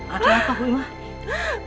ada apa ibu ima